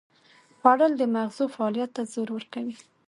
خوړل د مغزو فعالیت ته زور ورکوي